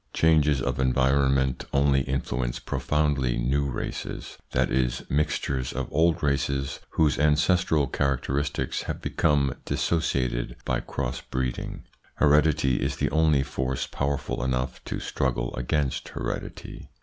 Changes of environment only influence pro foundly new races, that is, mixtures of old races whose ancestral characteristics have become dis sociated by cross breeding. Heredity is the only force powerful enough to struggle against heredity.